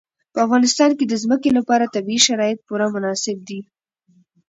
په افغانستان کې د ځمکه لپاره طبیعي شرایط پوره مناسب دي.